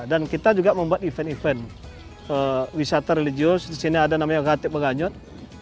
dan kita juga membuat event event kewisata religius di sini ada namanya gatik paganjot